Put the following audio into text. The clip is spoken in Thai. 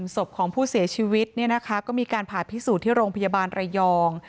ศพของผู้เสียชีวิตเนี่ยนะคะก็มีการผ่าพิสูจน์ที่โรงพยาบาลระยอง